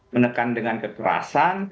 menekan dengan kekerasan